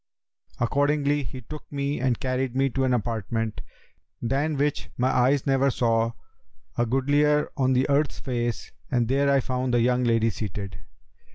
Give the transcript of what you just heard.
Accordingly he took me and carried me to an apartment, than which my eyes never saw a goodlier on the earth's face and there I found the young lady seated.